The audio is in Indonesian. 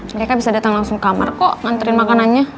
mereka bisa datang langsung kamar kok nganterin makanannya